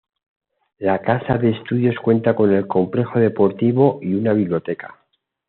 La casa de estudios cuenta con el complejo deportivo y una biblioteca.